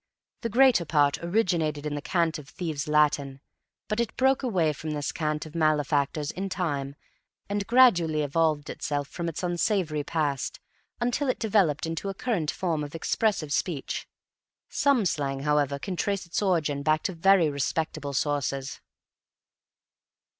The greater part originated in the cant of thieves' Latin, but it broke away from this cant of malefactors in time and gradually evolved itself from its unsavory past until it developed into a current form of expressive speech. Some slang, however, can trace its origin back to very respectable sources.